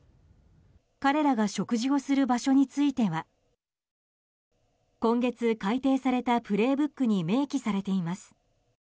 彼らが食事をする場所については今月、改訂された「プレイブック」に明記されています。